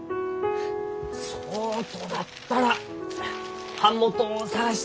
そうとなったら版元を探して。